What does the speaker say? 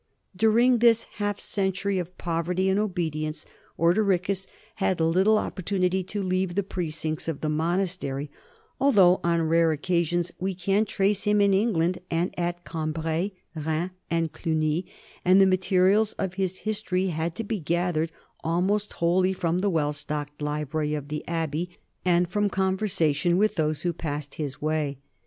During this half century of poverty and obedience Or dericus had little opportunity to leave the precincts of the monastery, although on rare occasions we can trace him in England and at Cambrai, Rheims, and Cluni, and the materials of his history had to be gathered al most wholly from the well stocked library of the abbey and from conversation with those who passed his way.